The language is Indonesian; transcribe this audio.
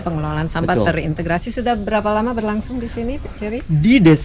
pengelolaan sampah terintegrasi sudah berapa lama berlangsung disini